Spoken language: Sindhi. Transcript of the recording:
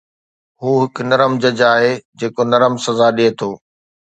هو هڪ نرم جج آهي جيڪو نرم سزا ڏئي ٿو